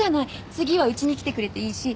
次はうちに来てくれていいし。